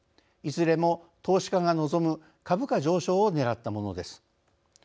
いずれも、投資家が望む株価上昇をねらったものです。